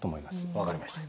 分かりました。